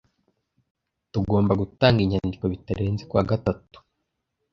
Tugomba gutanga inyandiko bitarenze kuwa gatatu.